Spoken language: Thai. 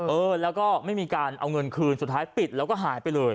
เออแล้วก็ไม่มีการเอาเงินคืนสุดท้ายปิดแล้วก็หายไปเลย